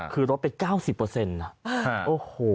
คือลดไป๙๐นะโอ้โห